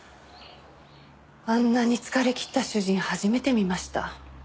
あんなに疲れきった主人初めて見ました。